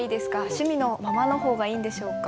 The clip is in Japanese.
趣味のままの方がいいんでしょうか？